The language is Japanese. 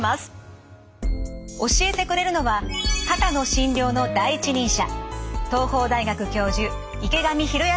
教えてくれるのは肩の診療の第一人者